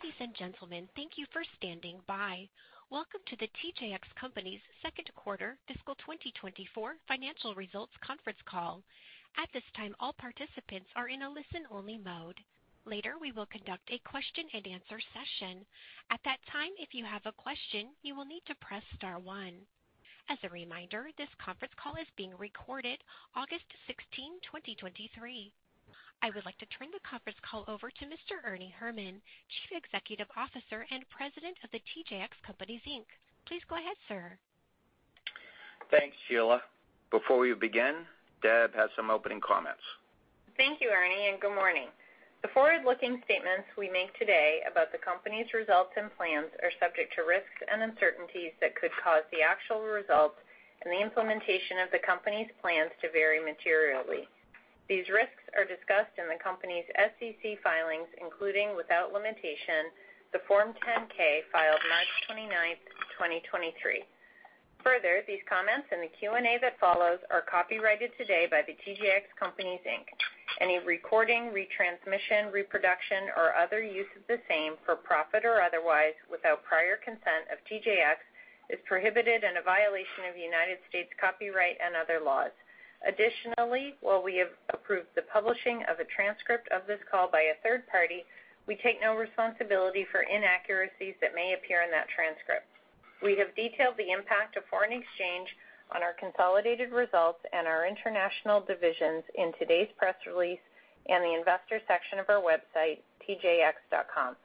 Ladies and gentlemen, thank you for standing by. Welcome to The TJX Companies' second quarter fiscal 2024 financial results conference call. At this time, all participants are in a listen-only mode. Later, we will conduct a question-and-answer session. At that time, if you have a question, you will need to press star one. As a reminder, this conference call is being recorded August 16, 2023. I would like to turn the conference call over to Mr. Ernie Herrman, Chief Executive Officer and President of The TJX Companies, Inc. Please go ahead, sir. Thanks, Sheila. Before we begin, Deb has some opening comments. Thank you, Ernie, and good morning. The forward-looking statements we make today about the company's results and plans are subject to risks and uncertainties that could cause the actual results and the implementation of the company's plans to vary materially. These risks are discussed in the company's SEC filings, including, without limitation, the Form 10-K filed March 29th, 2023. Further, these comments and the Q&A that follows are copyrighted today by The TJX Companies, Inc. Any recording, retransmission, reproduction, or other use of the same, for profit or otherwise, without prior consent of TJX, is prohibited and a violation of United States copyright and other laws. Additionally, while we have approved the publishing of a transcript of this call by a third party, we take no responsibility for inaccuracies that may appear in that transcript. We have detailed the impact of foreign exchange on our consolidated results and our international divisions in today's press release and the investor section of our website, tjx.com.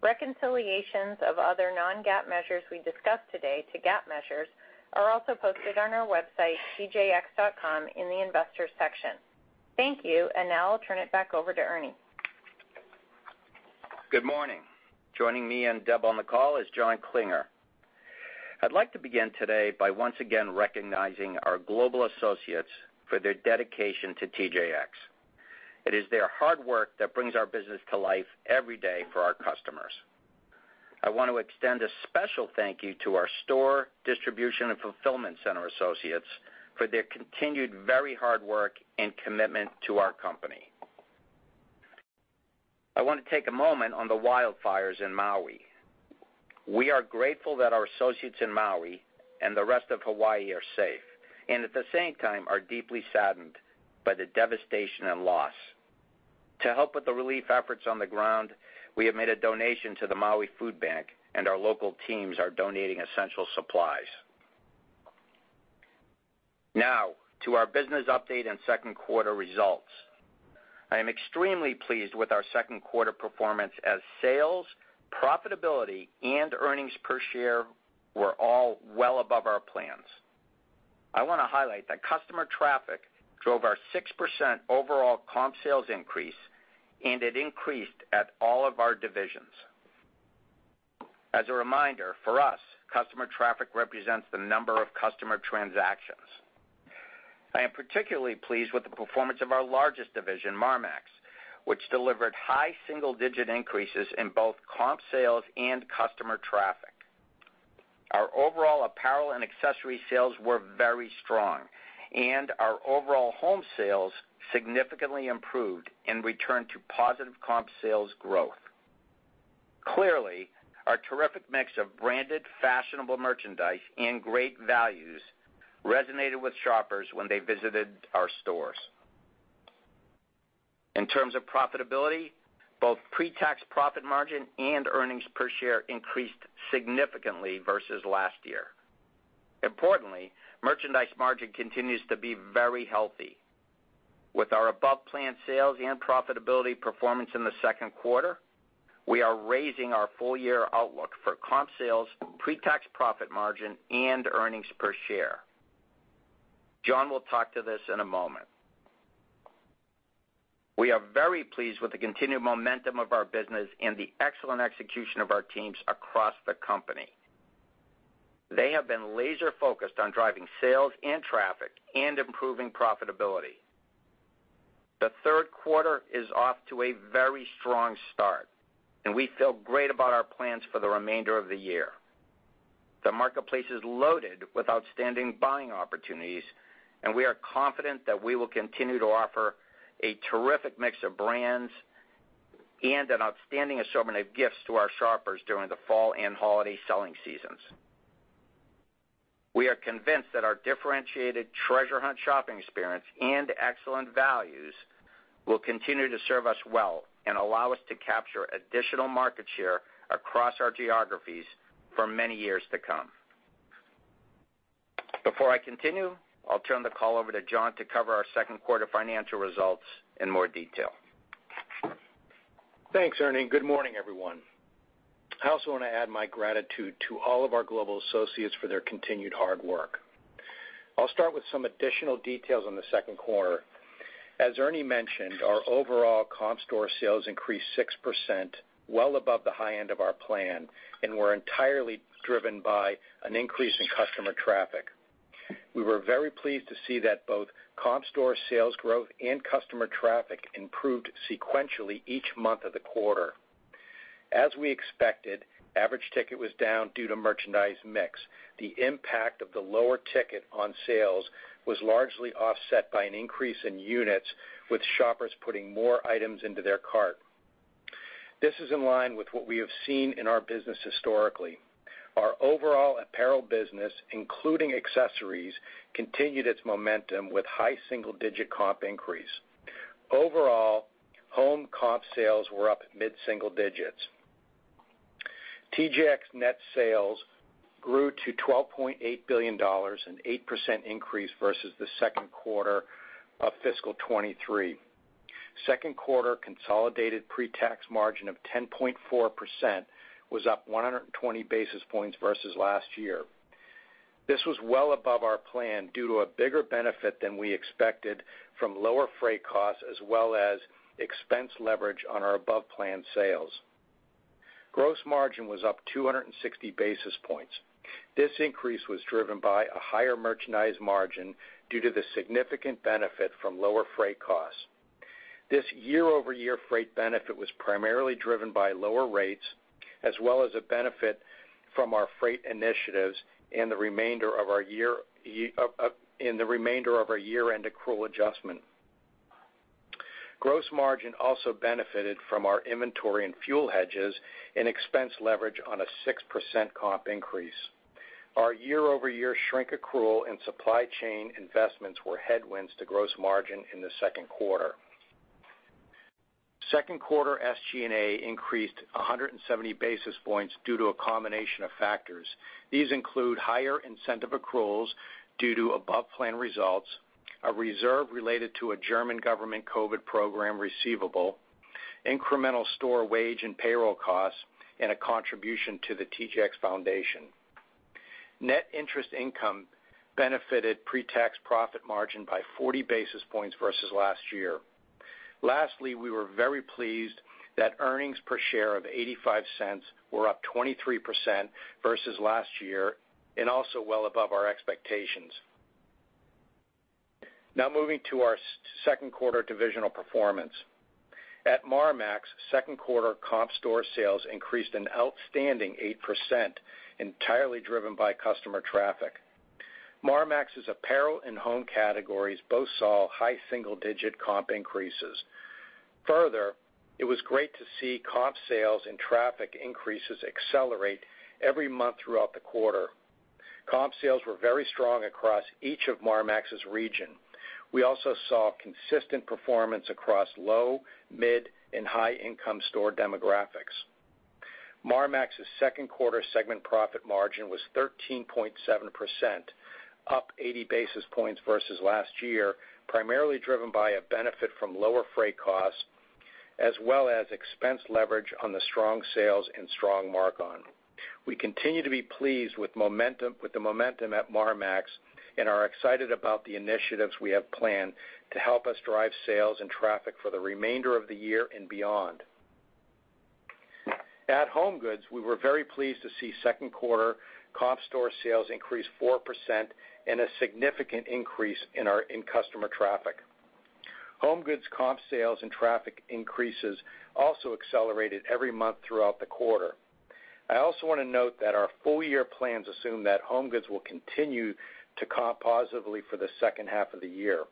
Reconciliations of other non-GAAP measures we discuss today to GAAP measures are also posted on our website, tjx.com, in the Investors section. Thank you. Now I'll turn it back over to Ernie. Good morning. Joining me and Deb on the call is John Klinger. I'd like to begin today by once again recognizing our global associates for their dedication to TJX. It is their hard work that brings our business to life every day for our customers. I want to extend a special thank you to our store, distribution, and fulfillment center associates for their continued very hard work and commitment to our company. I want to take a moment on the wildfires in Maui. We are grateful that our associates in Maui and the rest of Hawaii are safe, and at the same time, are deeply saddened by the devastation and loss. To help with the relief efforts on the ground, we have made a donation to the Maui Food Bank, our local teams are donating essential supplies. Now to our business update and second quarter results. I am extremely pleased with our second quarter performance as sales, profitability, and earnings per share were all well above our plans. I wanna highlight that customer traffic drove our 6% overall comp sales increase, it increased at all of our divisions. As a reminder, for us, customer traffic represents the number of customer transactions. I am particularly pleased with the performance of our largest division, Marmaxx, which delivered high single-digit increases in both comp sales and customer traffic. Our overall apparel and accessory sales were very strong, our overall home sales significantly improved and returned to positive comp sales growth. Clearly, our terrific mix of branded, fashionable merchandise and great values resonated with shoppers when they visited our stores. In terms of profitability, both pre-tax profit margin and earnings per share increased significantly versus last year. Importantly, merchandise margin continues to be very healthy. With our above-plan sales and profitability performance in the second quarter, we are raising our full-year outlook for comp sales, pre-tax profit margin, and earnings per share. John will talk to this in a moment. We are very pleased with the continued momentum of our business and the excellent execution of our teams across the company. They have been laser-focused on driving sales and traffic and improving profitability. The third quarter is off to a very strong start, and we feel great about our plans for the remainder of the year. The marketplace is loaded with outstanding buying opportunities, and we are confident that we will continue to offer a terrific mix of brands and an outstanding assortment of gifts to our shoppers during the fall and holiday selling seasons. We are convinced that our differentiated treasure hunt shopping experience and excellent values will continue to serve us well and allow us to capture additional market share across our geographies for many years to come. Before I continue, I'll turn the call over to John to cover our second quarter financial results in more detail. Thanks, Ernie. Good morning, everyone. I also want to add my gratitude to all of our global associates for their continued hard work. I'll start with some additional details on the second quarter. As Ernie mentioned, our overall comp store sales increased 6%, well above the high end of our plan, and were entirely driven by an increase in customer traffic. We were very pleased to see that both comp store sales growth and customer traffic improved sequentially each month of the quarter. As we expected, average ticket was down due to merchandise mix. The impact of the lower ticket on sales was largely offset by an increase in units, with shoppers putting more items into their cart. This is in line with what we have seen in our business historically. Our overall apparel business, including accessories, continued its momentum with high single-digit comp increase. Overall, home comp sales were up mid-single digits. TJX net sales grew to $12.8 billion, an 8% increase versus the second quarter of fiscal 2023. Second quarter consolidated pre-tax margin of 10.4% was up 120 basis points versus last year. This was well above our plan due to a bigger benefit than we expected from lower freight costs, as well as expense leverage on our above-plan sales. Gross margin was up 260 basis points. This increase was driven by a higher merchandise margin due to the significant benefit from lower freight costs. This year-over-year freight benefit was primarily driven by lower rates, as well as a benefit from our freight initiatives and the remainder of our year, in the remainder of our year-end accrual adjustment. Gross margin also benefited from our inventory and fuel hedges and expense leverage on a 6% comp increase. Our year-over-year shrink accrual and supply chain investments were headwinds to gross margin in the second quarter. Second quarter SG&A increased 170 basis points due to a combination of factors. These include higher incentive accruals due to above-plan results, a reserve related to a German government COVID program receivable, incremental store wage and payroll costs, and a contribution to the TJX Foundation. Net interest income benefited pre-tax profit margin by 40 basis points versus last year. Lastly, we were very pleased that earnings per share of $0.85 were up 23% versus last year and also well above our expectations. Now moving to our second quarter divisional performance. At Marmaxx, second quarter comp store sales increased an outstanding 8%, entirely driven by customer traffic. Marmaxx's apparel and home categories both saw high single-digit comp increases. Further, it was great to see comp sales and traffic increases accelerate every month throughout the quarter. Comp sales were very strong across each of Marmaxx's region. We also saw consistent performance across low, mid, and high-income store demographics. Marmaxx's second quarter segment profit margin was 13.7%, up 80 basis points versus last year, primarily driven by a benefit from lower freight costs, as well as expense leverage on the strong sales and strong markon. We continue to be pleased with momentum-- with the momentum at Marmaxx and are excited about the initiatives we have planned to help us drive sales and traffic for the remainder of the year and beyond. At HomeGoods, we were very pleased to see second quarter comp store sales increase 4% and a significant increase in customer traffic. HomeGoods comp sales and traffic increases also accelerated every month throughout the quarter. I also want to note that our full year plans assume that HomeGoods will continue to comp positively for the second half of the year.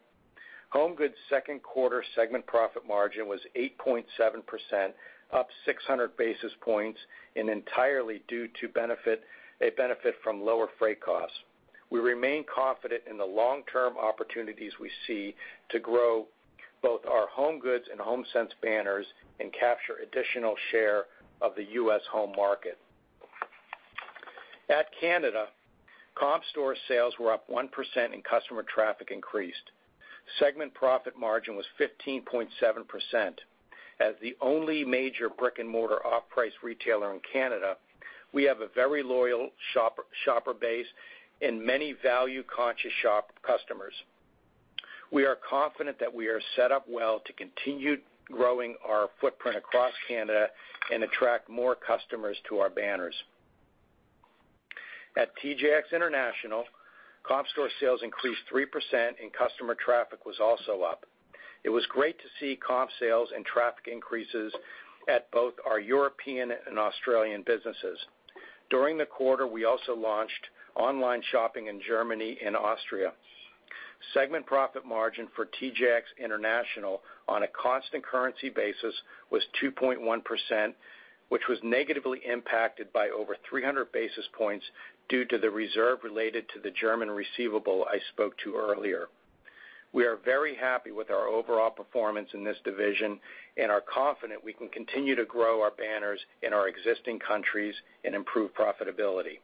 HomeGoods' second quarter segment profit margin was 8.7%, up 600 basis points, and entirely due to a benefit from lower freight costs. We remain confident in the long-term opportunities we see to grow both our HomeGoods and HomeSense banners and capture additional share of the U.S. home market. At Canada, comp store sales were up 1%, and customer traffic increased. Segment profit margin was 15.7%. As the only major brick-and-mortar off-price retailer in Canada, we have a very loyal shopper, shopper base and many value-conscious shop customers. We are confident that we are set up well to continue growing our footprint across Canada and attract more customers to our banners. At TJX International, comp store sales increased 3%, and customer traffic was also up. It was great to see comp sales and traffic increases at both our European and Australian businesses. During the quarter, we also launched online shopping in Germany and Austria. Segment profit margin for TJX International on a constant currency basis was 2.1%, which was negatively impacted by over 300 basis points due to the reserve related to the German receivable I spoke to earlier. We are very happy with our overall performance in this division and are confident we can continue to grow our banners in our existing countries and improve profitability.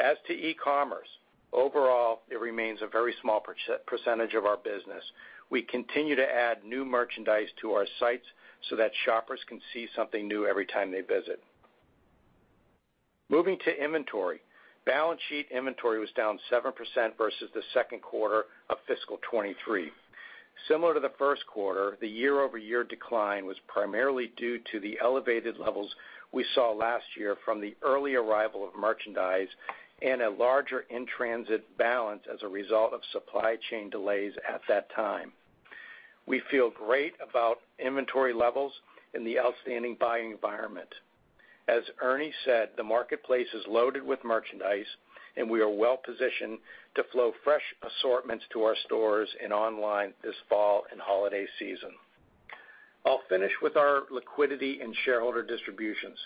As to e-commerce, overall, it remains a very small percentage of our business. We continue to add new merchandise to our sites so that shoppers can see something new every time they visit. Moving to inventory. Balance sheet inventory was down 7% versus the second quarter of fiscal 2023. Similar to the first quarter, the year-over-year decline was primarily due to the elevated levels we saw last year from the early arrival of merchandise and a larger in-transit balance as a result of supply chain delays at that time. We feel great about inventory levels and the outstanding buying environment. As Ernie said, the marketplace is loaded with merchandise, and we are well positioned to flow fresh assortments to our stores and online this fall and holiday season. I'll finish with our liquidity and shareholder distributions.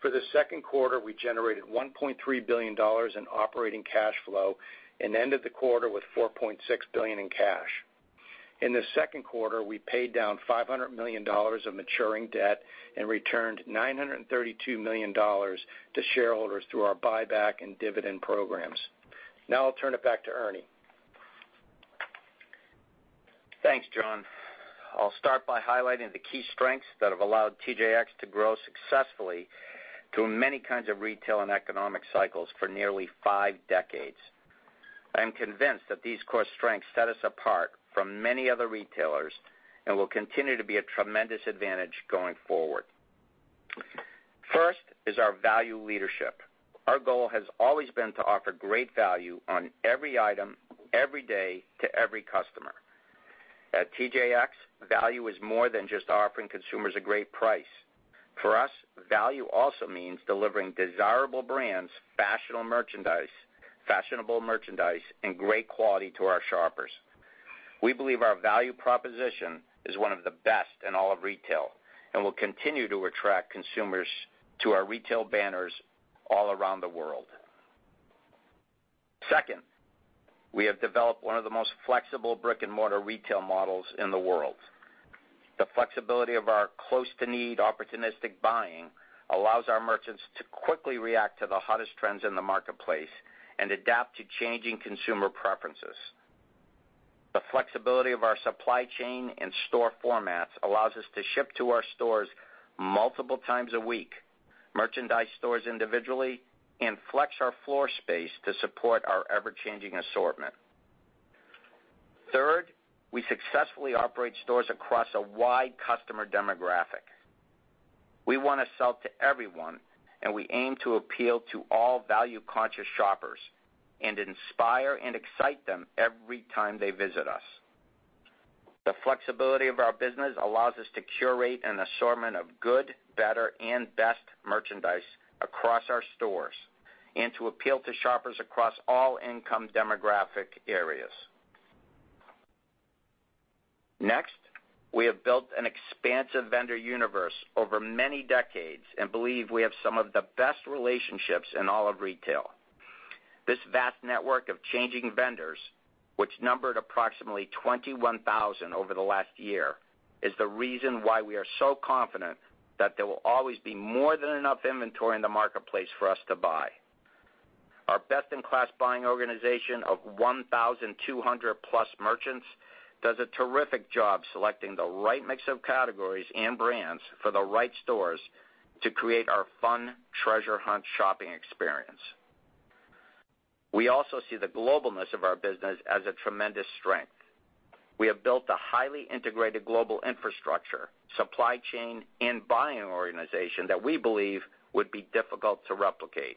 For the second quarter, we generated $1.3 billion in operating cash flow and ended the quarter with $4.6 billion in cash. In the second quarter, we paid down $500 million of maturing debt and returned $932 million to shareholders through our buyback and dividend programs. I'll turn it back to Ernie. Thanks, John. I'll start by highlighting the key strengths that have allowed TJX to grow successfully through many kinds of retail and economic cycles for nearly five decades. I am convinced that these core strengths set us apart from many other retailers and will continue to be a tremendous advantage going forward. First is our value leadership. Our goal has always been to offer great value on every item, every day, to every customer. At TJX, value is more than just offering consumers a great price. For us, value also means delivering desirable brands, fashionable merchandise, fashionable merchandise, and great quality to our shoppers. We believe our value proposition is one of the best in all of retail and will continue to attract consumers to our retail banners all around the world. Second, we have developed one of the most flexible brick-and-mortar retail models in the world. The flexibility of our close-to-need, opportunistic buying allows our merchants to quickly react to the hottest trends in the marketplace and adapt to changing consumer preferences. The flexibility of our supply chain and store formats allows us to ship to our stores multiple times a week, merchandise stores individually, and flex our floor space to support our ever-changing assortment. Third, we successfully operate stores across a wide customer demographic. We want to sell to everyone, and we aim to appeal to all value-conscious shoppers and inspire and excite them every time they visit us. The flexibility of our business allows us to curate an assortment of good, better, and best merchandise across our stores and to appeal to shoppers across all income demographic areas. Next, we have built an expansive vendor universe over many decades and believe we have some of the best relationships in all of retail. This vast network of changing vendors, which numbered approximately 21,000 over the last year, is the reason why we are so confident that there will always be more than enough inventory in the marketplace for us to buy. Our best-in-class buying organization of 1,200-plus merchants does a terrific job selecting the right mix of categories and brands for the right stores to create our fun, treasure hunt shopping experience. We also see the globalness of our business as a tremendous strength. We have built a highly integrated global infrastructure, supply chain, and buying organization that we believe would be difficult to replicate.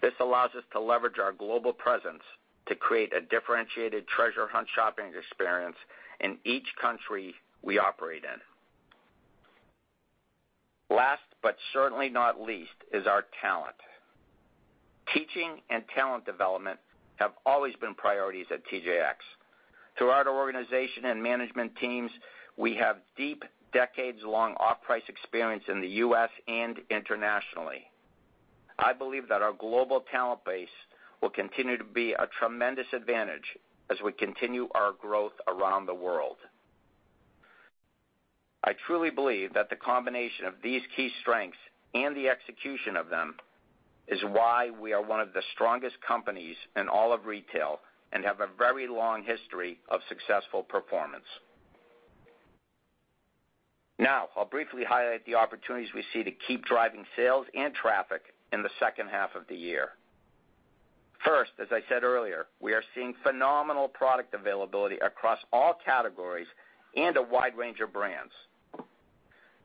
This allows us to leverage our global presence to create a differentiated treasure hunt shopping experience in each country we operate in. Last, but certainly not least, is our talent. Teaching and talent development have always been priorities at TJX. Throughout our organization and management teams, we have deep, decades-long off-price experience in the U.S. and internationally. I believe that our global talent base will continue to be a tremendous advantage as we continue our growth around the world. I truly believe that the combination of these key strengths and the execution of them is why we are one of the strongest companies in all of retail and have a very long history of successful performance. Now, I'll briefly highlight the opportunities we see to keep driving sales and traffic in the second half of the year. First, as I said earlier, we are seeing phenomenal product availability across all categories and a wide range of brands.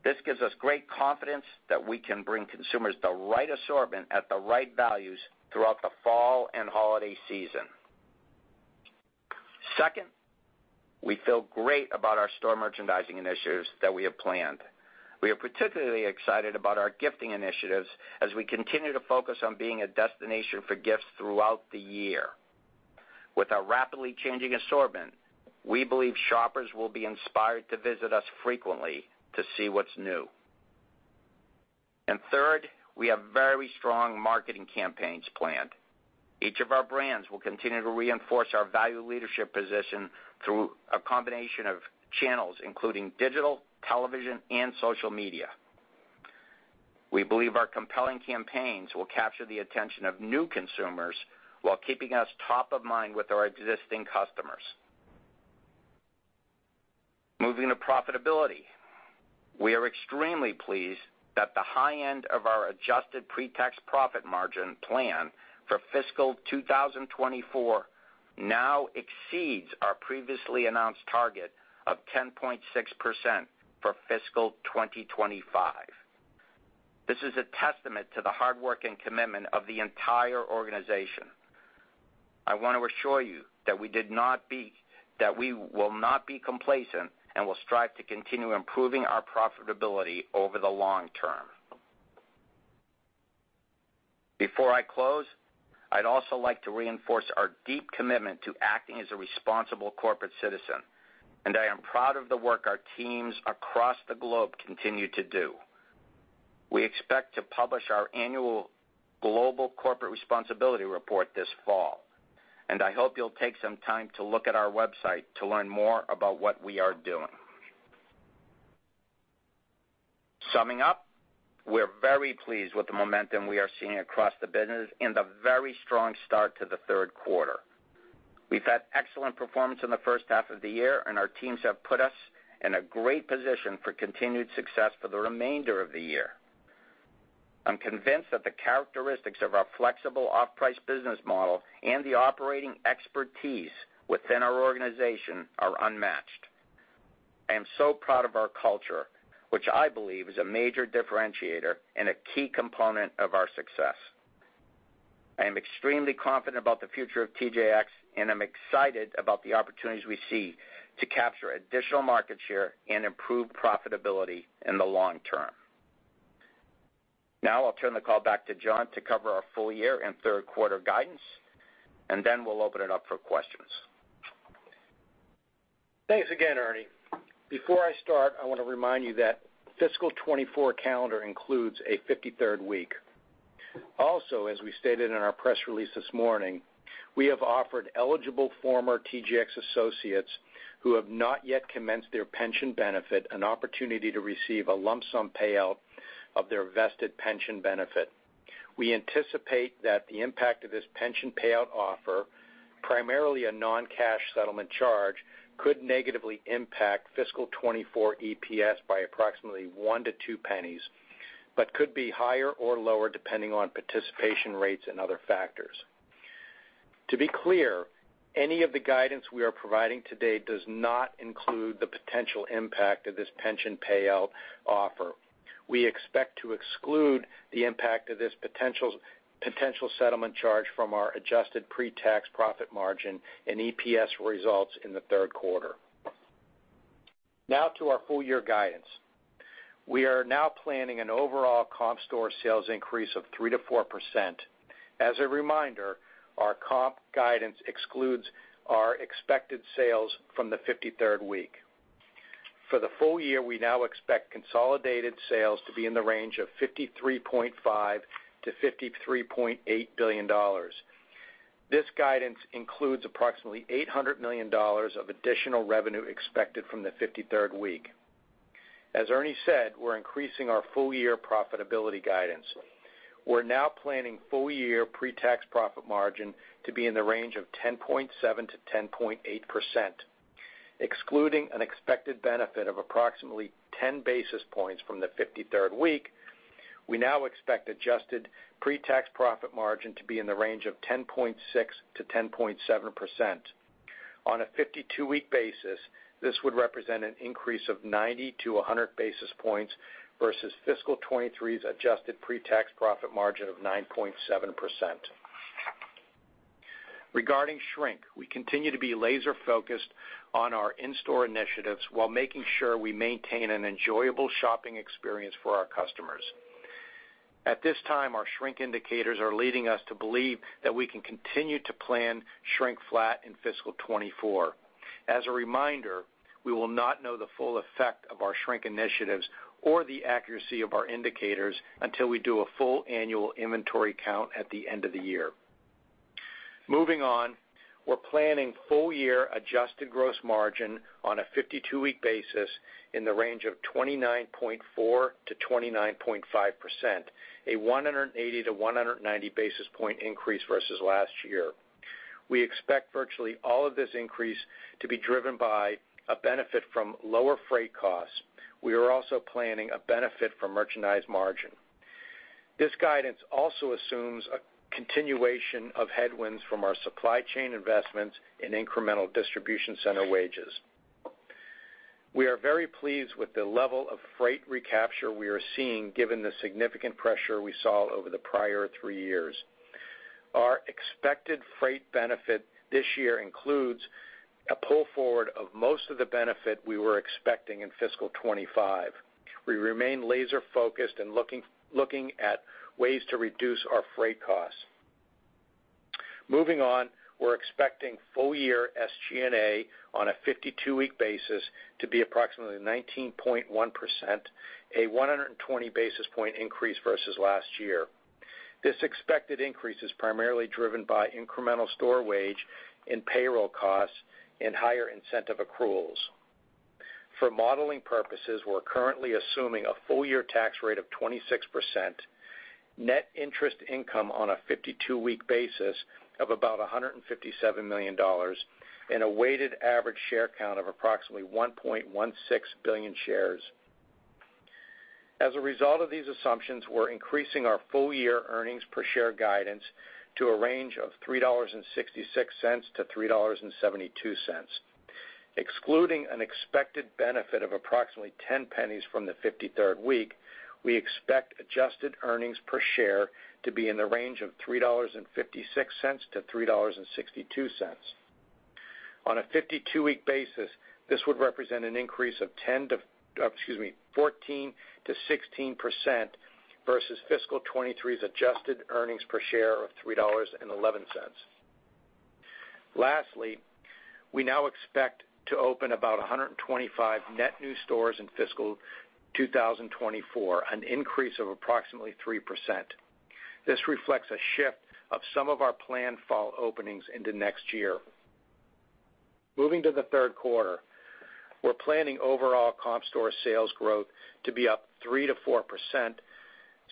This gives us great confidence that we can bring consumers the right assortment at the right values throughout the fall and holiday season. Second, we feel great about our store merchandising initiatives that we have planned. We are particularly excited about our gifting initiatives as we continue to focus on being a destination for gifts throughout the year. With our rapidly changing assortment, we believe shoppers will be inspired to visit us frequently to see what's new. Third, we have very strong marketing campaigns planned. Each of our brands will continue to reinforce our value leadership position through a combination of channels, including digital, television, and social media. We believe our compelling campaigns will capture the attention of new consumers while keeping us top of mind with our existing customers. Moving to profitability. We are extremely pleased that the high end of our adjusted pre-tax profit margin plan for fiscal 2024 now exceeds our previously announced target of 10.6% for fiscal 2025. This is a testament to the hard work and commitment of the entire organization. I want to assure you that we will not be complacent and will strive to continue improving our profitability over the long term. Before I close, I'd also like to reinforce our deep commitment to acting as a responsible corporate citizen, and I am proud of the work our teams across the globe continue to do. We expect to publish our annual Global Corporate Responsibility Report this fall, and I hope you'll take some time to look at our website to learn more about what we are doing. Summing up, we're very pleased with the momentum we are seeing across the business and the very strong start to the third quarter. We've had excellent performance in the first half of the year, and our teams have put us in a great position for continued success for the remainder of the year. I'm convinced that the characteristics of our flexible off-price business model and the operating expertise within our organization are unmatched. I am so proud of our culture, which I believe is a major differentiator and a key component of our success. I am extremely confident about the future of TJX, and I'm excited about the opportunities we see to capture additional market share and improve profitability in the long term. Now, I'll turn the call back to John to cover our full year and third quarter guidance, and then we'll open it up for questions. Thanks again, Ernie. Before I start, I want to remind you that fiscal 2024 calendar includes a 53rd week. As we stated in our press release this morning, we have offered eligible former TJX associates who have not yet commenced their pension benefit, an opportunity to receive a lump sum payout of their vested pension benefit. We anticipate that the impact of this pension payout offer, primarily a non-cash settlement charge, could negatively impact fiscal 2024 EPS by approximately $0.01-$0.02, but could be higher or lower, depending on participation rates and other factors. To be clear, any of the guidance we are providing today does not include the potential impact of this pension payout offer. We expect to exclude the impact of this potential settlement charge from our adjusted pre-tax profit margin and EPS results in the third quarter. To our full year guidance. We are now planning an overall comp store sales increase of 3%-4%. As a reminder, our comp guidance excludes our expected sales from the 53rd week. For the full year, we now expect consolidated sales to be in the range of $53.5 billion-$53.8 billion. This guidance includes approximately $800 million of additional revenue expected from the 53rd week. As Ernie said, we're increasing our full year profitability guidance. We're now planning full year pre-tax profit margin to be in the range of 10.7%-10.8%. Excluding an expected benefit of approximately 10 basis points from the 53rd, we now expect adjusted pre-tax profit margin to be in the range of 10.6%-10.7%. On a 52-week basis, this would represent an increase of 90-100 basis points versus fiscal 2023's adjusted pre-tax profit margin of 9.7%. Regarding shrink, we continue to be laser focused on our in-store initiatives while making sure we maintain an enjoyable shopping experience for our customers. At this time, our shrink indicators are leading us to believe that we can continue to plan shrink flat in fiscal 2024. As a reminder, we will not know the full effect of our shrink initiatives or the accuracy of our indicators until we do a full annual inventory count at the end of the year. Moving on, we're planning full year adjusted gross margin on a 52-week basis in the range of 29.4%-29.5%, a 180-190 basis point increase versus last year. We expect virtually all of this increase to be driven by a benefit from lower freight costs. We are also planning a benefit from merchandise margin. This guidance also assumes a continuation of headwinds from our supply chain investments in incremental distribution center wages. We are very pleased with the level of freight recapture we are seeing, given the significant pressure we saw over the prior three years. Our expected freight benefit this year includes a pull forward of most of the benefit we were expecting in fiscal 2025. We remain laser focused and looking, looking at ways to reduce our freight costs. Moving on, we're expecting full year SG&A on a 52-week basis to be approximately 19.1%, a 120 basis point increase versus last year. This expected increase is primarily driven by incremental store wage and payroll costs and higher incentive accruals. For modeling purposes, we're currently assuming a full year tax rate of 26%, net interest income on a 52-week basis of about $157 million, and a weighted average share count of approximately 1.16 billion shares. As a result of these assumptions, we're increasing our full year earnings per share guidance to a range of $3.66-$3.72. Excluding an expected benefit of approximately $0.10 from the 53rd week, we expect adjusted earnings per share to be in the range of $3.56-$3.62. On a 52-week basis, this would represent an increase of 10% to-- excuse me, 14%-16% versus fiscal 2023's adjusted earnings per share of $3.11. Lastly, we now expect to open about 125 net new stores in fiscal 2024, an increase of approximately 3%. This reflects a shift of some of our planned fall openings into next year. Moving to the third quarter, we're planning overall comp store sales growth to be up 3%-4%.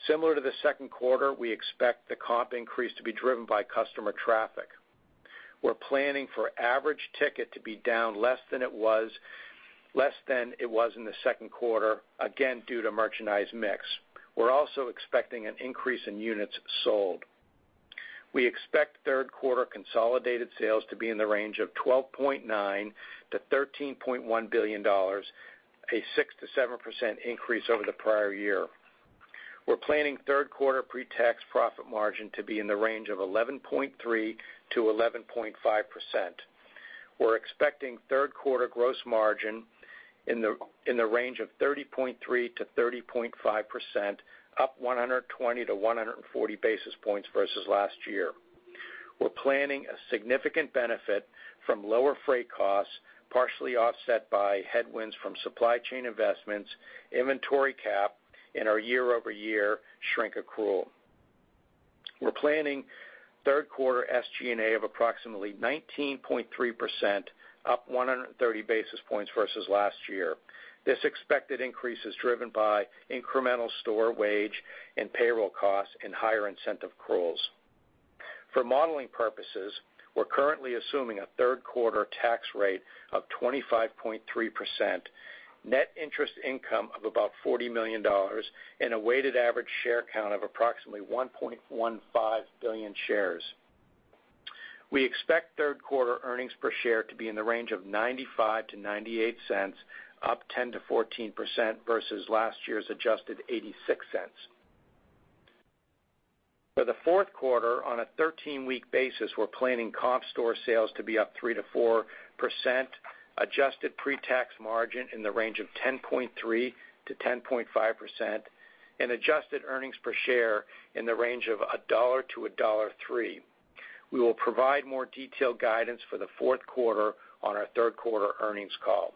Similar to the second quarter, we expect the comp increase to be driven by customer traffic. We're planning for average ticket to be down less than it was, less than it was in the second quarter, again, due to merchandise mix. We're also expecting an increase in units sold. We expect third quarter consolidated sales to be in the range of $12.9 billion-$13.1 billion, a 6%-7% increase over the prior year. We're planning third quarter pre-tax profit margin to be in the range of 11.3%-11.5%. We're expecting third quarter gross margin in the range of 30.3%-30.5%, up 120-140 basis points versus last year. We're planning a significant benefit from lower freight costs, partially offset by headwinds from supply chain investments, inventory cap, and our year-over-year shrink accrual. We're planning third quarter SG&A of approximately 19.3%, up 130 basis points versus last year. This expected increase is driven by incremental store wage and payroll costs and higher incentive accruals. For modeling purposes, we're currently assuming a third quarter tax rate of 25.3%, net interest income of about $40 million, and a weighted average share count of approximately 1.15 billion shares. We expect third quarter earnings per share to be in the range of $0.95-$0.98, up 10%-14% versus last year's adjusted $0.86. For the fourth quarter, on a 13-week basis, we're planning comp store sales to be up 3%-4%, adjusted pre-tax margin in the range of 10.3%-10.5%, and adjusted earnings per share in the range of $1.00-$1.03. We will provide more detailed guidance for the fourth quarter on our third quarter earnings call.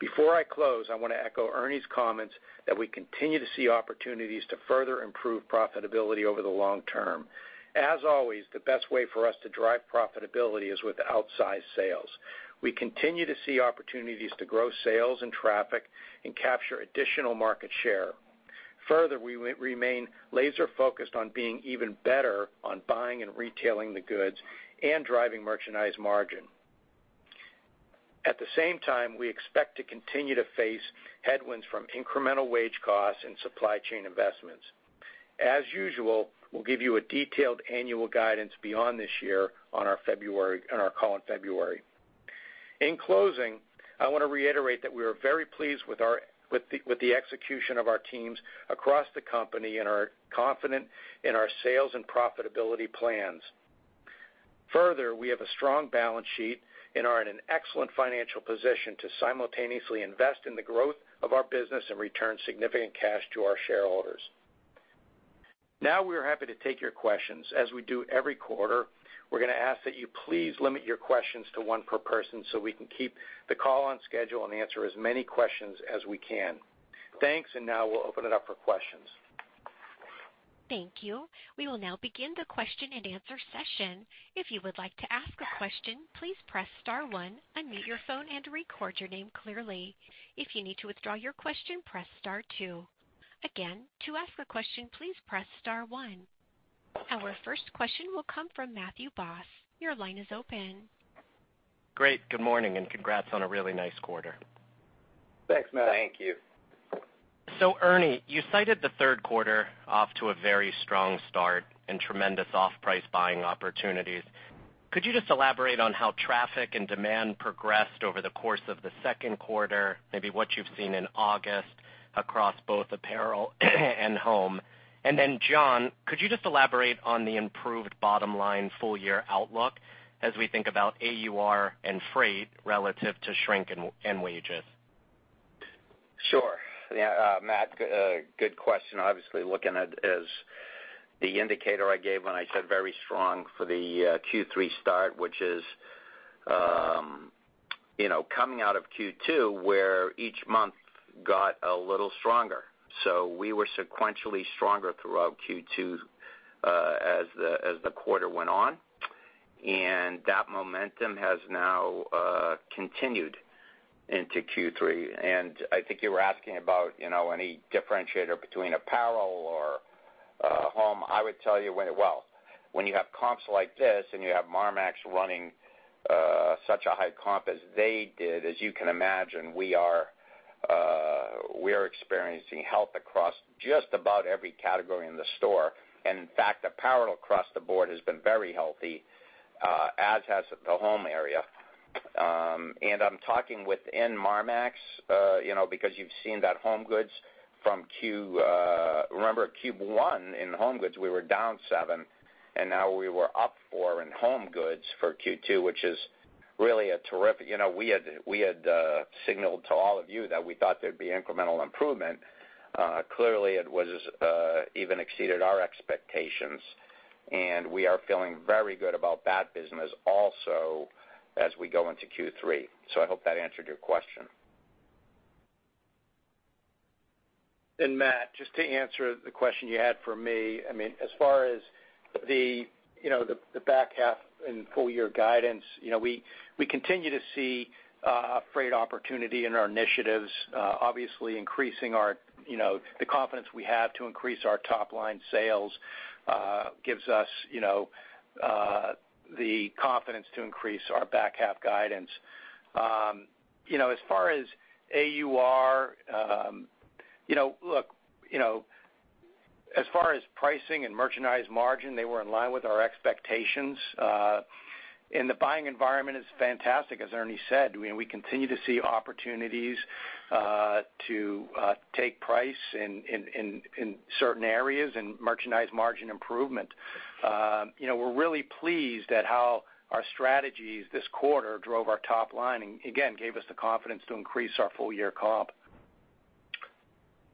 Before I close, I want to echo Ernie's comments that we continue to see opportunities to further improve profitability over the long term. As always, the best way for us to drive profitability is with outsized sales. We continue to see opportunities to grow sales and traffic and capture additional market share. Further, we remain laser focused on being even better on buying and retailing the goods and driving merchandise margin. At the same time, we expect to continue to face headwinds from incremental wage costs and supply chain investments. As usual, we'll give you a detailed annual guidance beyond this year on our February on our call in February. In closing, I want to reiterate that we are very pleased with our with the, with the execution of our teams across the company and are confident in our sales and profitability plans. Further, we have a strong balance sheet and are in an excellent financial position to simultaneously invest in the growth of our business and return significant cash to our shareholders. Now we are happy to take your questions. As we do every quarter, we're gonna ask that you please limit your questions to one per person, so we can keep the call on schedule and answer as many questions as we can. Thanks. Now we'll open it up for questions. Thank you. We will now begin the question-and-answer session. If you would like to ask a question, please press star one, unmute your phone, and record your name clearly. If you need to withdraw your question, press star two. Again, to ask a question, please press star one. Our first question will come from Matthew Boss. Your line is open. Great, good morning, and congrats on a really nice quarter. Thanks, Matt. Thank you. Ernie, you cited the third quarter off to a very strong start and tremendous off-price buying opportunities. Could you just elaborate on how traffic and demand progressed over the course of the second quarter, maybe what you've seen in August across both apparel and home? John, could you just elaborate on the improved bottom-line full-year outlook as we think about AUR and freight relative to shrink and wages? Sure. Yeah, Matt, good question. Obviously, looking at as the indicator I gave when I said very strong for the Q3 start, which is, you know, coming out of Q2, where each month got a little stronger. We were sequentially stronger throughout Q2, as the, as the quarter went on, and that momentum has now continued into Q3. I think you were asking about, you know, any differentiator between apparel or home. I would tell you well, when you have comps like this, and you have Marmaxx running such a high comp as they did, as you can imagine, we are experiencing health across just about every category in the store. In fact, the apparel across the board has been very healthy, as has the home area. I'm talking within Marmaxx, you know, because you've seen that HomeGoods from remember, Q1 in HomeGoods, we were down seven, and now we were up four in HomeGoods for Q2, which is really a terrific-- you know, we had, we had, signaled to all of you that we thought there'd be incremental improvement. Clearly, it was even exceeded our expectations, and we are feeling very good about that business also as we go into Q3. I hope that answered your question. Matt, just to answer the question you had for me, I mean, as far as the, you know, the, the back half and full year guidance, you know, we, we continue to see freight opportunity in our initiatives, obviously, increasing our, you know, the confidence we have to increase our top line sales, gives us, you know, the confidence to increase our back half guidance. You know, as far as AUR, you know, look, you know, as far as pricing and merchandise margin, they were in line with our expectations. The buying environment is fantastic, as Ernie said. We, we continue to see opportunities to take price in certain areas and merchandise margin improvement. You know, we're really pleased at how our strategies this quarter drove our top line, and again, gave us the confidence to increase our full year comp.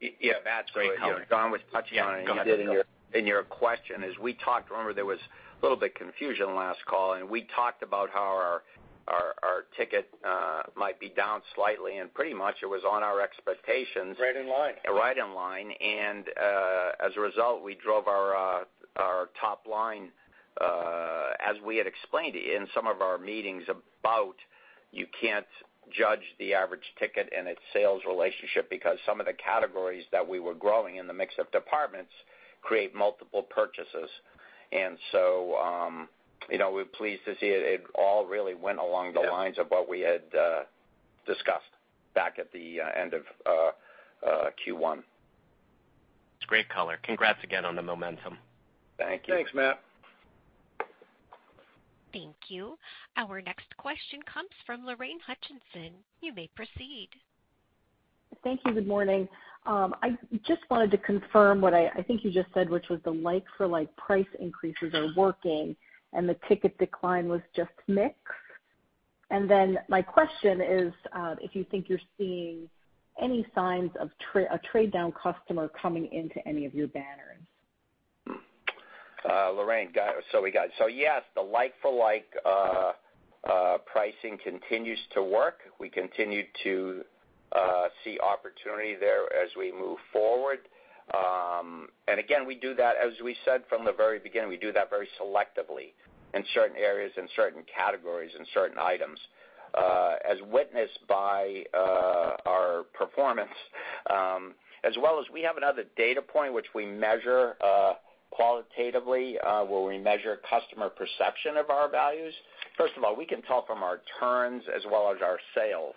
Yeah, Matt, great. Don was touching on it in your, in your question. As we talked, remember, there was a little bit confusion last call, and we talked about how our, our, our ticket might be down slightly, and pretty much it was on our expectations. Right in line. Right in line. As a result, we drove our, our top line, as we had explained in some of our meetings about you can't judge the average ticket and its sales relationship because some of the categories that we were growing in the mix of departments create multiple purchases. You know, we're pleased to see it. It all really went along the lines of what we had, discussed back at the end of Q1. Great color. Congrats again on the momentum. Thank you. Thanks, Matt. Thank you. Our next question comes from Lorraine Hutchinson. You may proceed. Thank you. Good morning. I just wanted to confirm what I, I think you just said, which was the like-for-like price increases are working, and the ticket decline was just mix. My question is, if you think you're seeing any signs of a trade-down customer coming into any of your banners? Lorraine, got it. Yes, the like-for-like pricing continues to work. We continue to see opportunity there as we move forward. Again, we do that, as we said from the very beginning, we do that very selectively in certain areas, in certain categories, in certain items, as witnessed by our performance. As well as we have another data point, which we measure qualitatively, where we measure customer perception of our values. First of all, we can tell from our turns as well as our sales,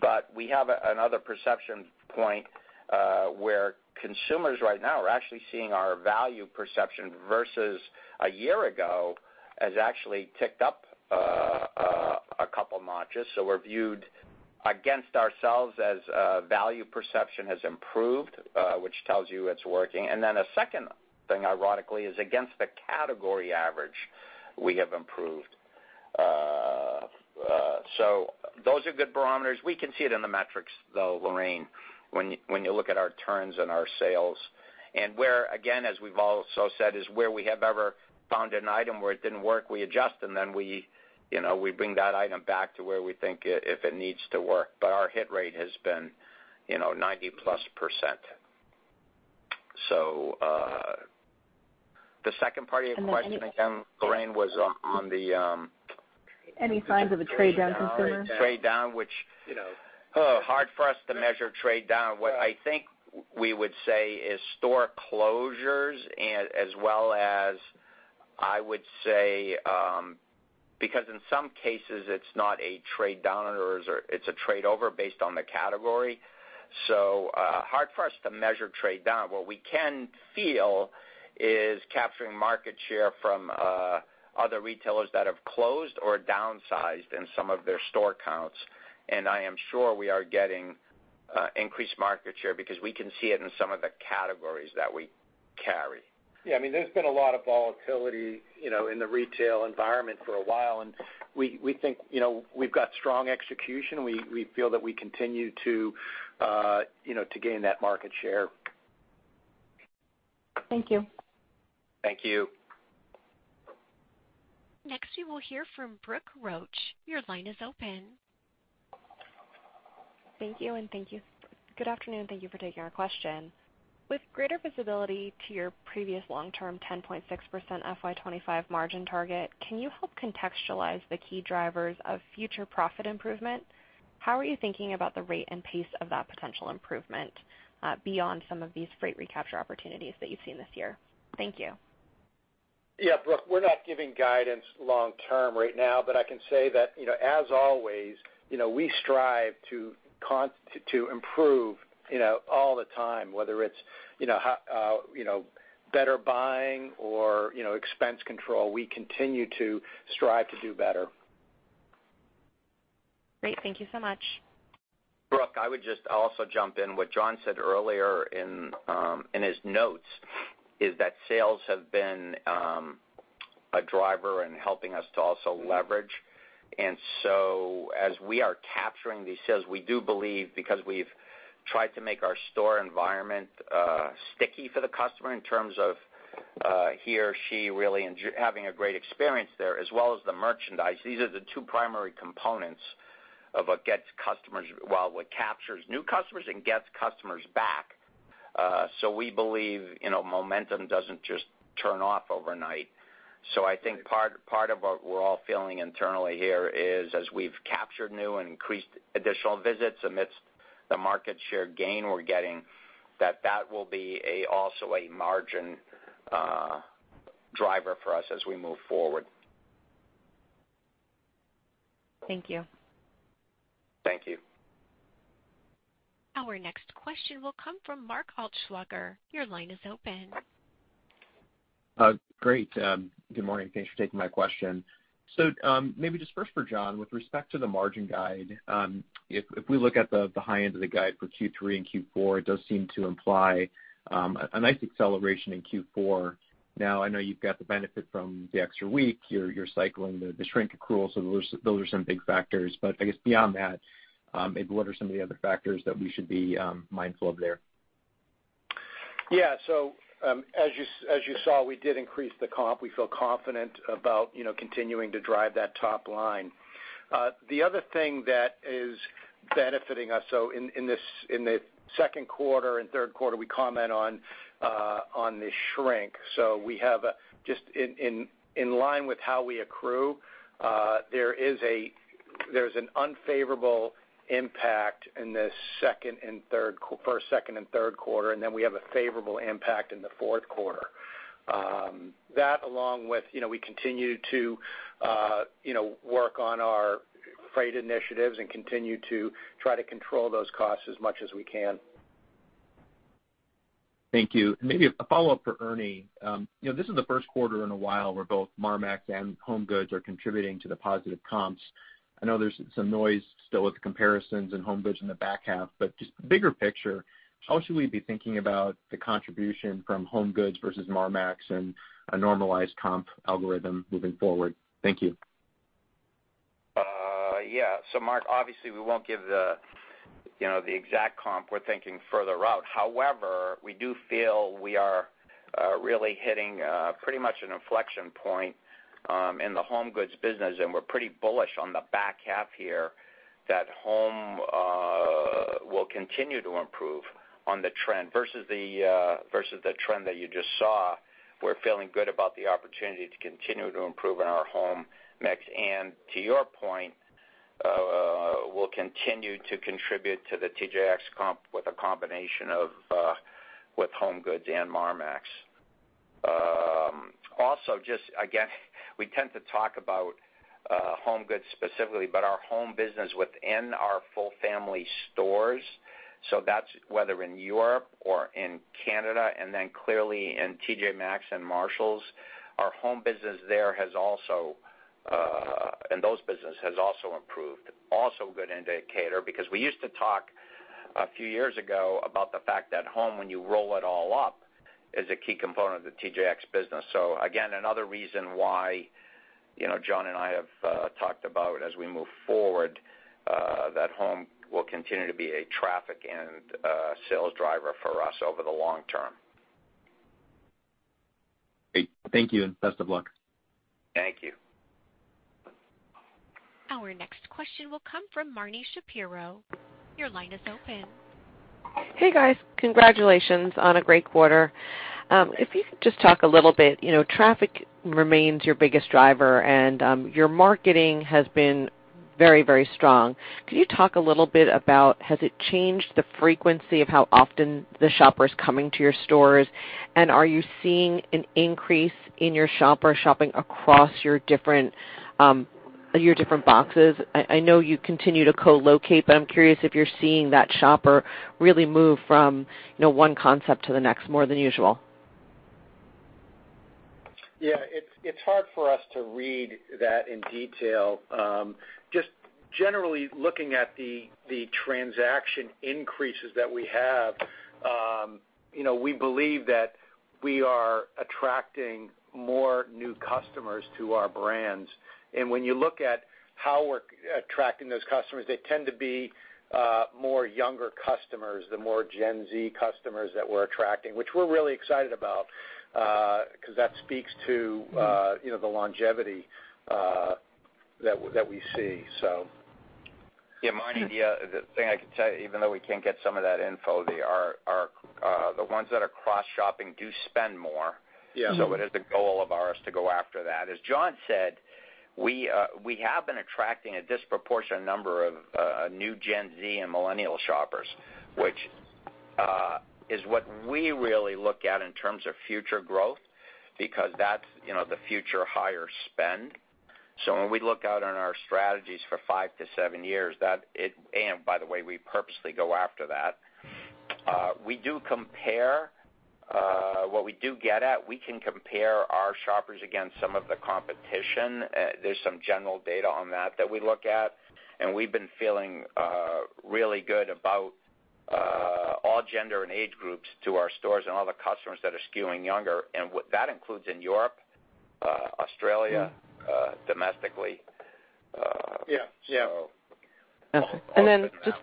but we have another perception point, where consumers right now are actually seeing our value perception versus a year ago, has actually ticked up a couple notches. We're viewed against ourselves as value perception has improved, which tells you it's working. Then the second thing, ironically, is against the category average, we have improved. Those are good barometers. We can see it in the metrics, though, Lorraine, when, when you look at our turns and our sales. Where, again, as we've also said, is where we have ever found an item where it didn't work, we adjust, and then we, you know, we bring that item back to where we think it, if it needs to work. Our hit rate has been, you know, 90%+. The second part of your question, Lorraine, was on, on the. Any signs of a trade-down consumer? Trade-down, which, you know, hard for us to measure trade down. What I think we would say is store closures, and as well as, I would say, because in some cases it's not a trade down or it's a trade over based on the category. Hard for us to measure trade down. What we can feel is capturing market share from other retailers that have closed or downsized in some of their store counts. I am sure we are getting increased market share because we can see it in some of the categories that we carry. Yeah, I mean, there's been a lot of volatility, you know, in the retail environment for a while. We, we think, you know, we've got strong execution. We, we feel that we continue to, you know, to gain that market share. Thank you. Thank you. Next, you will hear from Brooke Roach. Your line is open. Thank you. Thank you. Good afternoon, thank you for taking our question. With greater visibility to your previous long-term 10.6% FY 2025 margin target, can you help contextualize the key drivers of future profit improvement? How are you thinking about the rate and pace of that potential improvement beyond some of these freight recapture opportunities that you've seen this year? Thank you. Yeah, Brooke, we're not giving guidance long term right now, but I can say that, you know, as always, you know, we strive to improve, you know, all the time, whether it's, you know, how, you know, better buying or, you know, expense control, we continue to strive to do better. Great. Thank you so much. Brooke, I would just also jump in. What John said earlier in his notes is that sales have been a driver in helping us to also leverage. As we are capturing these sales, we do believe because we've tried to make our store environment sticky for the customer in terms of he or she really having a great experience there, as well as the merchandise. These are the two primary components of what gets well, what captures new customers and gets customers back. We believe, you know, momentum doesn't just turn off overnight. I think part, part of what we're all feeling internally here is, as we've captured new and increased additional visits amidst the market share gain we're getting, that that will be a, also a margin driver for us as we move forward. Thank you. Thank you. Our next question will come from Mark Altschwager. Your line is open. Great. Good morning. Thanks for taking my question. Maybe just first for John, with respect to the margin guide, if, if we look at the, the high end of the guide for Q3 and Q4, it does seem to imply a nice acceleration in Q4. Now, I know you've got the benefit from the extra week, you're, you're cycling the, the shrink accrual, so those, those are some big factors. I guess beyond that, maybe what are some of the other factors that we should be mindful of there? Yeah. As you as you saw, we did increase the comp. We feel confident about, you know, continuing to drive that top line. The other thing that is benefiting us, so in this, in the second quarter and third quarter, we comment on, on the shrink. We have, just in, in, in line with how we accrue, there's an unfavorable impact in the first, second, and third quarter, and then we have a favorable impact in the fourth quarter. That, along with, you know, we continue to, you know, work on our freight initiatives and continue to try to control those costs as much as we can. Thank you. Maybe a follow-up for Ernie. You know, this is the first quarter in a while where both Marmaxx and HomeGoods are contributing to the positive comps. I know there's some noise still with the comparisons in HomeGoods in the back half, but just bigger picture, how should we be thinking about the contribution from HomeGoods versus Marmaxx and a normalized comp algorithm moving forward? Thank you. Yeah. Mark, obviously, we won't give the, you know, the exact comp we're thinking further out. However, we do feel we are really hitting pretty much an inflection point in the HomeGoods business, and we're pretty bullish on the back half here that home will continue to improve on the trend versus the versus the trend that you just saw. We're feeling good about the opportunity to continue to improve in our home mix. To your point, we'll continue to contribute to the TJX comp with a combination of with HomeGoods and Marmaxx. Also, just again, we tend to talk about HomeGoods specifically, but our home business within our full family stores, so that's whether in Europe or in Canada, and then clearly in TJ Maxx and Marshalls, our home business there has also, in those business, has also improved. A good indicator because we used to talk a few years ago about the fact that home, when you roll it all up, is a key component of the TJX business. Again, another reason why, you know, John and I have talked about as we move forward, that home will continue to be a traffic and a sales driver for us over the long term. Great. Thank you, and best of luck. Thank you. Our next question will come from Marni Shapiro. Your line is open. Hey, guys. Congratulations on a great quarter. If you could just talk a little bit, you know, traffic remains your biggest driver, and your marketing has been very, very strong. Could you talk a little bit about, has it changed the frequency of how often the shopper is coming to your stores? Are you seeing an increase in your shopper shopping across your different, your different boxes? I, I know you continue to co-locate, but I'm curious if you're seeing that shopper really move from, you know, one concept to the next more than usual. Yeah, it's, it's hard for us to read that in detail. Just generally looking at the, the transaction increases that we have, you know, we believe that we are attracting more new customers to our brands. When you look at how we're attracting those customers, they tend to be, more younger customers, the more Gen Z customers that we're attracting, which we're really excited about, because that speaks to, you know, the longevity, that, that we see. Yeah, Marni, the, the thing I can tell you, even though we can't get some of that info, they are, are, the ones that are cross-shopping do spend more. Yeah. It is a goal of ours to go after that. As John said, we have been attracting a disproportionate number of new Gen Z and millennial shoppers, which is what we really look at in terms of future growth, because that's, you know, the future higher spend. When we look out on our strategies for five to seven years, and by the way, we purposely go after that. We do compare what we do get at, we can compare our shoppers against some of the competition. There's some general data on that, that we look at, and we've been feeling really good about all gender and age groups to our stores and all the customers that are skewing younger, and what that includes in Europe, Australia, domestically. Yeah. Yeah. Then just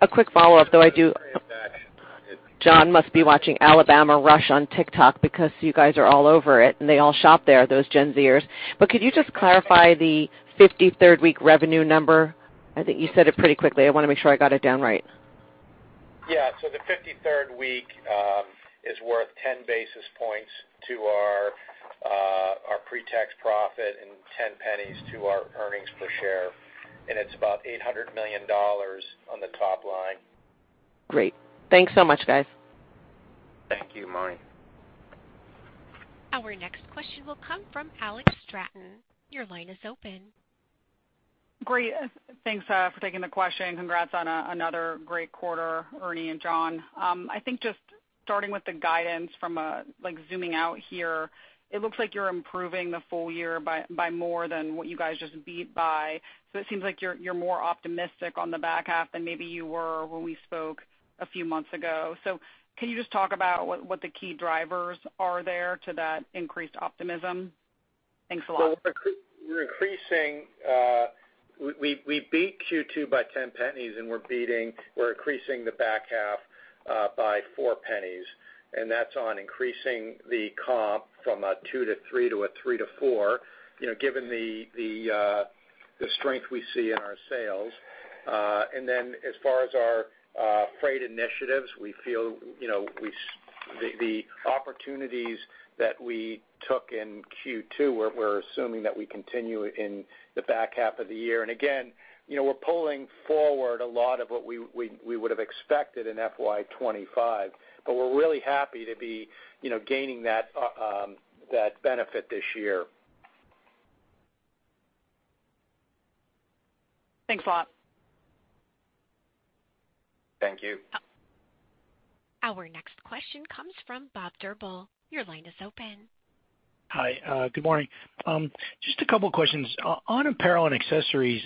a quick follow-up. Sorry about that. John must be watching Bama Rush on TikTok because you guys are all over it, and they all shop there, those Gen Z-ers. Could you just clarify the 53rd week revenue number? I think you said it pretty quickly. I wanna make sure I got it down right. Yeah. The 53rd week is worth 10 basis points to our pre-tax profit and $0.10 to our earnings per share, and it's about $800 million on the top line. Great. Thanks so much, guys. Thank you, Marnie. Our next question will come from Alex Straton. Your line is open. Great. Thanks for taking the question, and congrats on another great quarter, Ernie and John. I think just starting with the guidance from a, like, zooming out here, it looks like you're improving the full year by, by more than what you guys just beat by. It seems like you're, you're more optimistic on the back half than maybe you were when we spoke a few months ago. Can you just talk about what, what the key drivers are there to that increased optimism? Thanks a lot. We're increasing, we, we, we beat Q2 by $0.10, and we're beating-- we're increasing the back half, by $0.04, and that's on increasing the comp from 2%-3% to 3%-4%, you know, given the, the, the strength we see in our sales. Then as far as our freight initiatives, we feel, you know, we-- the, the opportunities that we took in Q2, we're, we're assuming that we continue in the back half of the year. Again, you know, we're pulling forward a lot of what we, we, we would have expected in FY 2025, we're really happy to be, you know, gaining that, that benefit this year. Thanks a lot. Thank you. Our next question comes from Robert Drbul. Your line is open. Hi, good morning. Just a couple questions. On apparel and accessories,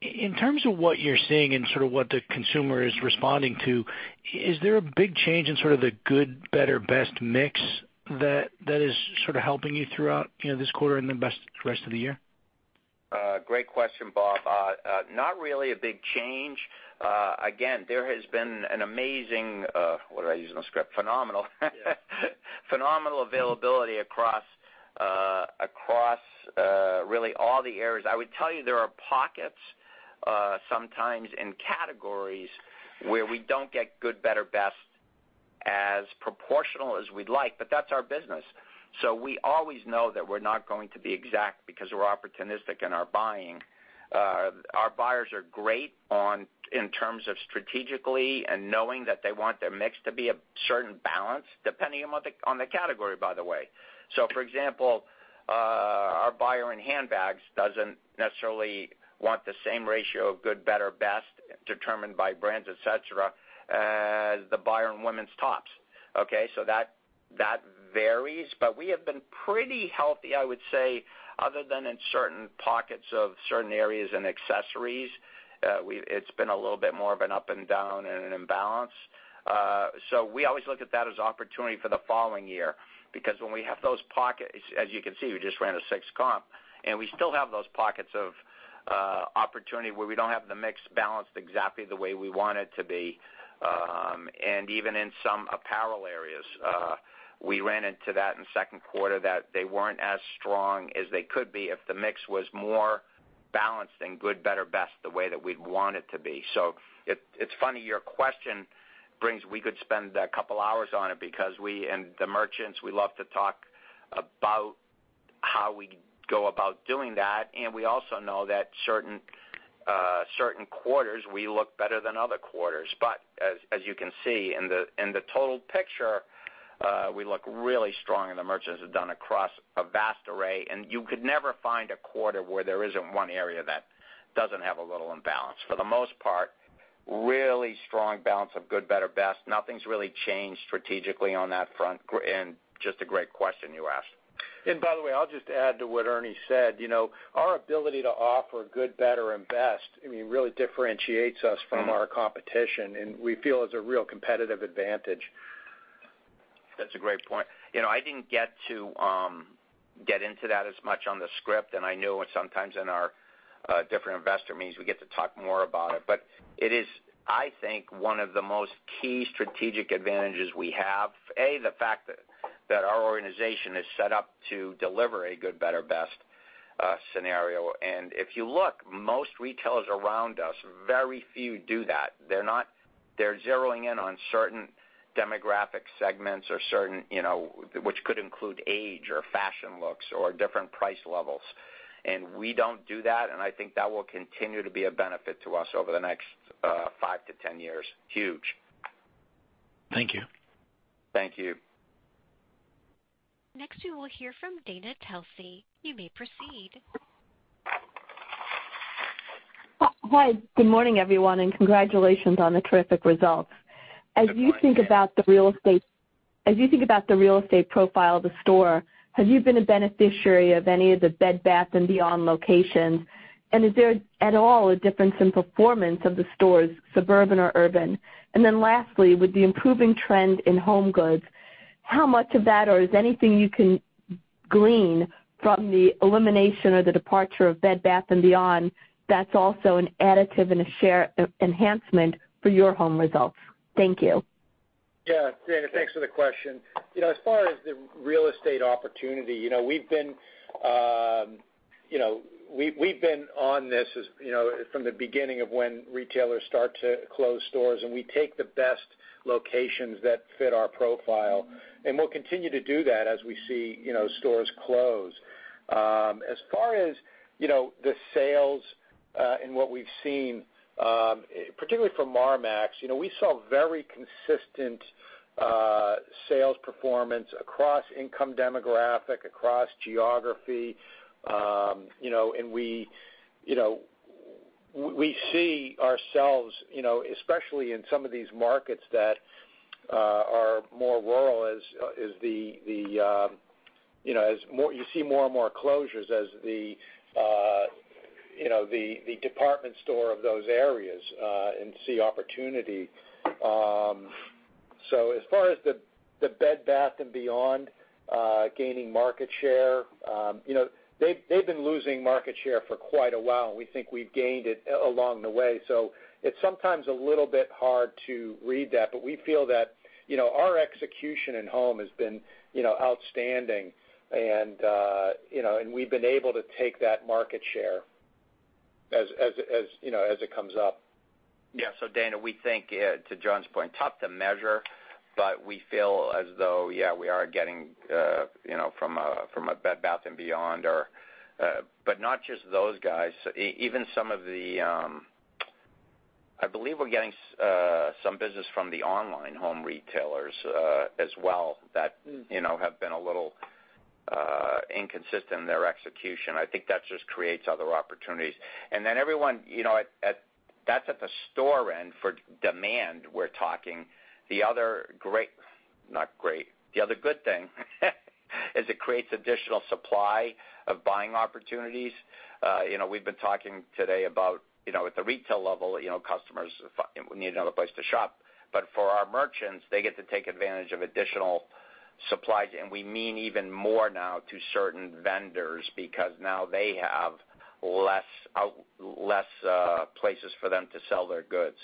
in terms of what you're seeing and sort of what the consumer is responding to, is there a big change in sort of the good, better, best mix that is sort of helping you throughout, you know, this quarter and the rest of the year? Great question, Bob. Not really a big change. Again, there has been an amazing, what do I use in the script? Phenomenal. Yeah. Phenomenal availability across, across, really all the areas. I would tell you, there are pockets, sometimes in categories where we don't get good, better, best as proportional as we'd like, but that's our business. We always know that we're not going to be exact because we're opportunistic in our buying. Our buyers are great on, in terms of strategically and knowing that they want their mix to be a certain balance, depending on what the, on the category, by the way. For example, our buyer in handbags doesn't necessarily want the same ratio of good, better, best, determined by brands, et cetera, as the buyer in women's tops, okay? That, that varies, but we have been pretty healthy, I would say, other than in certain pockets of certain areas and accessories. It's been a little bit more of an up and down and an imbalance. We always look at that as opportunity for the following year, because when we have those pockets, as you can see, we just ran a six comp, and we still have those pockets of opportunity where we don't have the mix balanced exactly the way we want it to be. And even in some apparel areas, we ran into that in second quarter, that they weren't as strong as they could be if the mix was more balanced and good, better, best, the way that we'd want it to be. It, it's funny, your question brings-- we could spend a couple of hours on it because we and the merchants, we love to talk about how we go about doing that. We also know that certain quarters, we look better than other quarters. As, as you can see in the total picture, we look really strong, and the merchants have done across a vast array, and you could never find a quarter where there isn't one area that doesn't have a little imbalance. For the most part, really strong balance of good, better, best. Nothing's really changed strategically on that front, and just a great question you asked. By the way, I'll just add to what Ernie said. You know, our ability to offer good, better, and best, I mean, really differentiates us from our competition, and we feel it's a real competitive advantage. That's a great point. You know, I didn't get to get into that as much on the script, and I know sometimes in our different investor meetings, we get to talk more about it. It is, I think, one of the most key strategic advantages we have, A, the fact that, that our organization is set up to deliver a good, better, best scenario. If you look, most retailers around us, very few do that. They're not, they're zeroing in on certain demographic segments or certain, you know, which could include age or fashion looks or different price levels. We don't do that, and I think that will continue to be a benefit to us over the next five to 10 years. Huge. Thank you. Thank you. Next, we will hear from Dana Telsey. You may proceed. Hi, good morning, everyone, and congratulations on the terrific results. Good morning. As you think about the real estate-- as you think about the real estate profile of the store, have you been a beneficiary of any of the Bed Bath & Beyond locations? Is there at all a difference in performance of the stores, suburban or urban? Lastly, with the improving trend in HomeGoods, how much of that, or is anything you can glean from the elimination or the departure of Bed Bath & Beyond, that's also an additive and a share enhancement for your home results? Thank you. Yeah, Dana, thanks for the question. You know, as far as the real estate opportunity, you know, we've been on this, as, you know, from the beginning of when retailers start to close stores, and we take the best locations that fit our profile, and we'll continue to do that as we see, you know, stores close. As far as, you know, the sales, and what we've seen, particularly for Marmaxx, you know, we saw very consistent sales performance across income demographic, across geography. You know, we, you know, we see ourselves, you know, especially in some of these markets that are more rural, as the, you know, you see more and more closures as the, you know, the, the department store of those areas, and see opportunity. As far as the, the Bed Bath & Beyond, gaining market share, you know, they've, they've been losing market share for quite a while, and we think we've gained it along the way. It's sometimes a little bit hard to read that, but we feel that, you know, our execution in home has been, you know, outstanding. You know, and we've been able to take that market share as, as, as, you know, as it comes up. Yeah. Dana, we think, to John's point, tough to measure, but we feel as though, yeah, we are getting, you know, from a Bed Bath & Beyond or, but not just those guys. Even some of the... I believe we're getting, some business from the online home retailers, as well, that, you know, have been a little inconsistent in their execution. I think that just creates other opportunities. Then everyone, you know, at, that's at the store end for demand, we're talking. The other great, not great, the other good thing, is it creates additional supply of buying opportunities. You know, we've been talking today about, you know, at the retail level, you know, customers need another place to shop. For our merchants, they get to take advantage of additional supplies, and we mean even more now to certain vendors because now they have less places for them to sell their goods.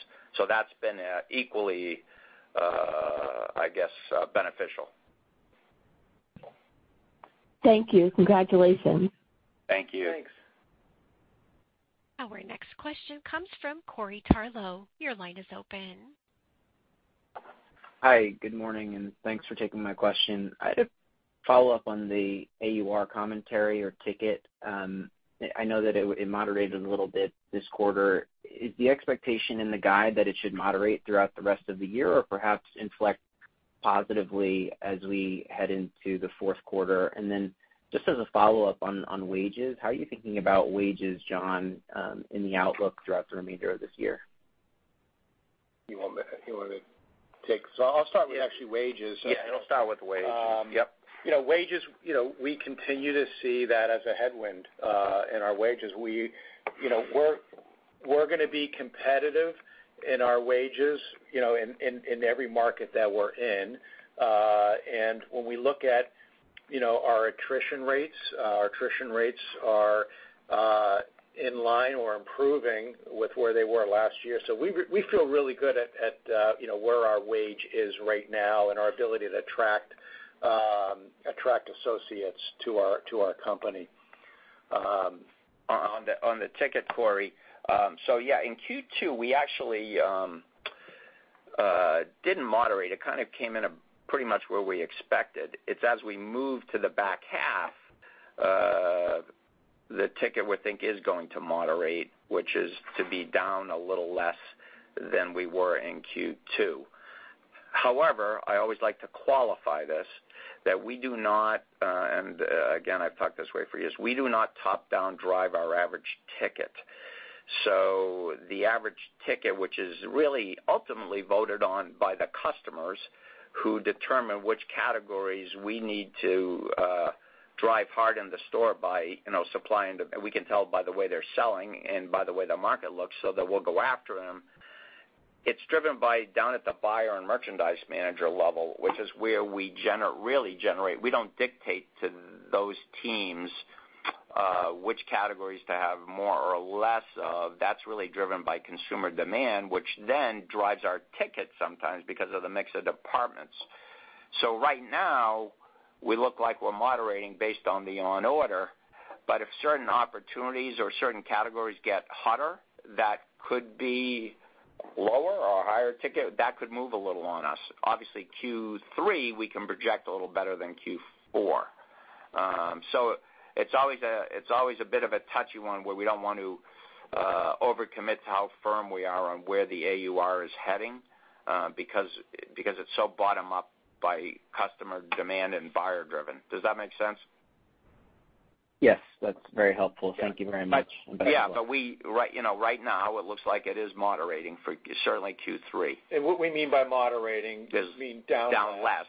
That's been equally, I guess, beneficial. Thank you. Congratulations. Thank you. Thanks. Our next question comes from Corey Tarlowe. Your line is open. Hi, good morning, thanks for taking my question. I had a follow-up on the AUR commentary or ticket. I know that it, it moderated a little bit this quarter. Is the expectation in the guide that it should moderate throughout the rest of the year, or perhaps inflect positively as we head into the fourth quarter? Then, just as a follow-up on, on wages, how are you thinking about wages, John, in the outlook throughout the remainder of this year? You want me. I'll start with actually wages. Yeah, I'll start with wages. Yep. You know, wages, you know, we continue to see that as a headwind in our wages. We, you know, we're, we're gonna be competitive in our wages, you know, in every market that we're in. When we look at, you know, our attrition rates, our attrition rates are in line or improving with where they were last year. We feel really good at, you know, where our wage is right now and our ability to attract, attract associates to our, to our company. On, on the, on the ticket, Corey. Yeah, in Q2, we actually didn't moderate. It kind of came in a pretty much where we expected. It's as we move to the back half, the ticket we think is going to moderate, which is to be down a little less than we were in Q2. However, I always like to qualify this, that we do not, and again, I've talked this way for years, we do not top-down drive our average ticket. The average ticket, which is really ultimately voted on by the customers who determine which categories we need to drive hard in the store by, you know, supplying the we can tell by the way they're selling and by the way the market looks, so that we'll go after them. It's driven by down at the buyer and merchandise manager level, which is where we really generate. We don't dictate to those teams, which categories to have more or less of. That's really driven by consumer demand, which then drives our ticket sometimes because of the mix of departments. Right now, we look like we're moderating based on the on-order, but if certain opportunities or certain categories get hotter, that could be lower or higher ticket, that could move a little on us. Obviously, Q3, we can project a little better than Q4. It's always a, it's always a bit of a touchy one, where we don't want to overcommit to how firm we are on where the AUR is heading, because, because it's so bottom up by customer demand and buyer driven. Does that make sense? Yes, that's very helpful. Yeah. Thank you very much. Yeah. We, right, you know, right now, it looks like it is moderating for certainly Q3. What we mean by moderating is mean down- Down less.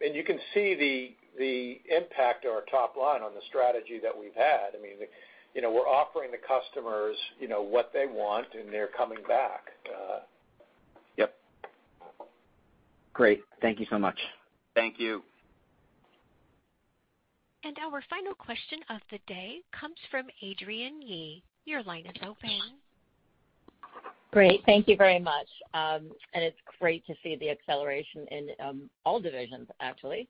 And you can see the, the impact on our top line on the strategy that we've had. I mean, the, you know, we're offering the customers, you know, what they want, and they're coming back. Yep. Great. Thank you so much. Thank you. Our final question of the day comes from Adrienne Yih. Your line is open. Great. Thank you very much. It's great to see the acceleration in, all divisions, actually.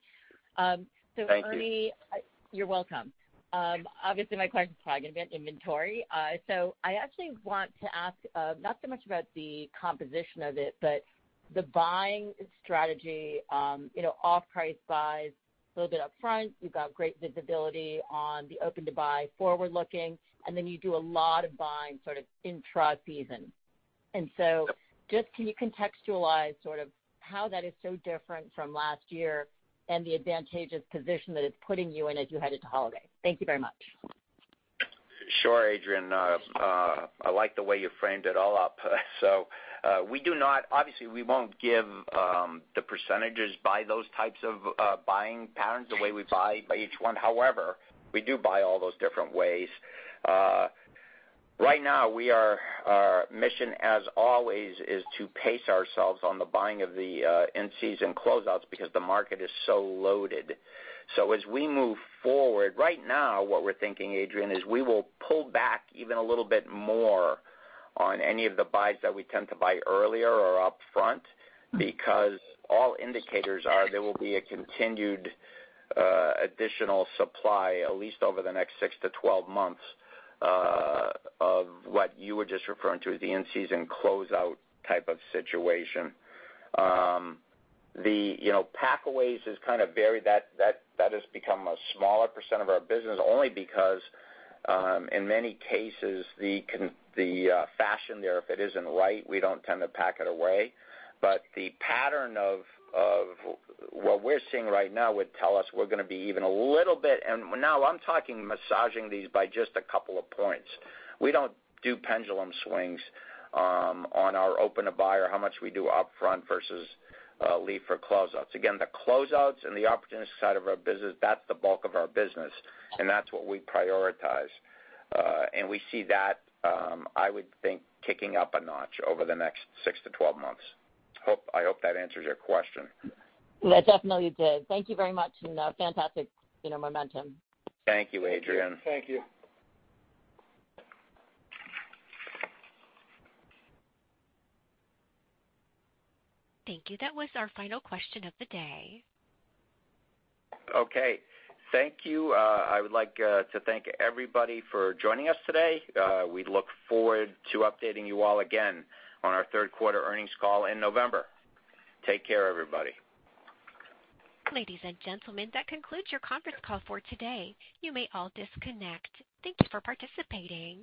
So Ernie- Thank you. You're welcome. Obviously, my question is probably gonna be on inventory. I actually want to ask, not so much about the composition of it, but the buying strategy, you know, off-price buys a little bit upfront. You've got great visibility on the open-to-buy, forward-looking, and then you do a lot of buying, sort of intra season. Just can you contextualize sort of how that is so different from last year and the advantageous position that it's putting you in as you head into holiday? Thank you very much. Sure, Adrienne. I like the way you framed it all up. We do not obviously, we won't give the percentages by those types of buying patterns, the way we buy by each one. However, we do buy all those different ways. Right now, we are, our mission, as always, is to pace ourselves on the buying of the in-season closeouts, because the market is so loaded. As we move forward, right now, what we're thinking, Adrienne, is we will pull back even a little bit more on any of the buys that we tend to buy earlier or upfront, because all indicators are there will be a continued additional supply, at least over the next six to 12 months, of what you were just referring to as the in-season closeout type of situation. The, you know, pack-aways is kind of has become a smaller percent of our business, only because, in many cases, the fashion there, if it isn't right, we don't tend to pack it away. The pattern of, of what we're seeing right now would tell us we're gonna be even a little bit, and now I'm talking massaging these by just a couple of points. We don't do pendulum swings, on our open-to-buy or how much we do upfront versus, leave for closeouts. Again, the closeouts and the opportunistic side of our business, that's the bulk of our business, and that's what we prioritize. We see that, I would think, kicking up a notch over the next six to 12 months. I hope that answers your question. It definitely did. Thank you very much, and fantastic, you know, momentum. Thank you, Adrienne. Thank you. Thank you. That was our final question of the day. Okay, thank you. I would like to thank everybody for joining us today. We look forward to updating you all again on our third quarter earnings call in November. Take care, everybody. Ladies and gentlemen, that concludes your conference call for today. You may all disconnect. Thank you for participating.